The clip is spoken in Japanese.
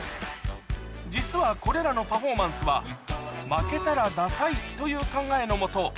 実はこれらのパフォーマンスはという考えのもと